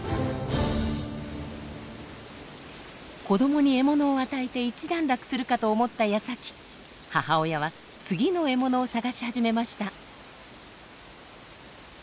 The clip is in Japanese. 子どもに獲物を与えて一段落するかと思った矢先母親は次の獲物を探し始めました。